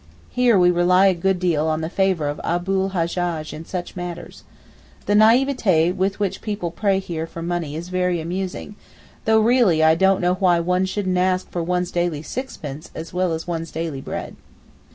Here we rely a good deal on the favour of Abu l Hajjaj in such matters. The naïveté with which people pray here for money is very amusing—though really I don't know why one shouldn't ask for one's daily sixpence as well as one's daily bread.